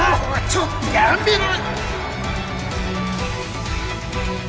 ちょっとやめろ！